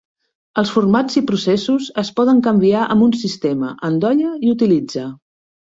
Els formats i processos es poden canviar amb un sistema "endolla i utilitza".